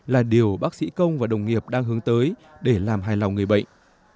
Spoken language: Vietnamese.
là điều bác sĩ công và đồng nghiệp đang hướng tới để làm hài lòng người bệnh